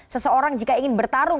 seseorang jika ingin bertarung